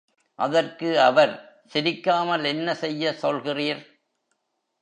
அதற்கு அவர், சிரிக்காமல் என்ன செய்ய சொல்கிறீர்?